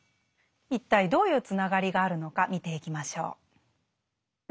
一体どういうつながりがあるのか見ていきましょう。